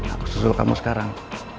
aku susul kamu sekarang